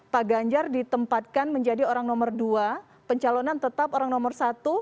pak ganjar ditempatkan menjadi orang nomor dua pencalonan tetap orang nomor satu